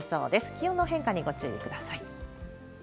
気温の変化にご注意ください。